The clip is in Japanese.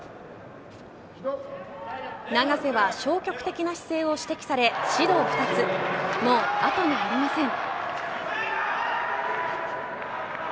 永瀬は消極的な姿勢を指摘され指導２つもうあとがありません。